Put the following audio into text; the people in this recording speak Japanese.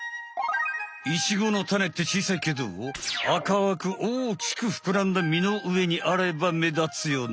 イチゴのタネってちいさいけど赤くおおきくふくらんだ実のうえにあればめだつよね？